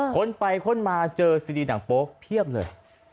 คนไปค้นมาเจอซีดีหนังโป๊ะเพียบเลย